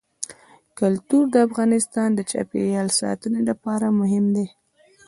کلتور د افغانستان د چاپیریال ساتنې لپاره مهم دي.